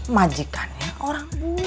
majikannya orang bule